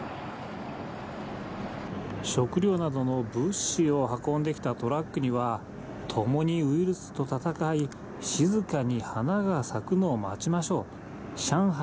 食料などの物資を運んできたトラックには、共にウイルスと闘い、静かに花が咲くのを待ちましょう、上海